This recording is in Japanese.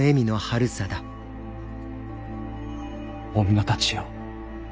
女たちよ。